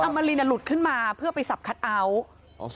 มารินหลุดขึ้นมาเพื่อไปสับคัทเอาท์